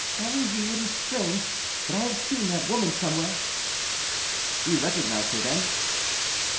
"Aurilly, it is strange, but I have seen that woman somewhere." "You recognized her, then?"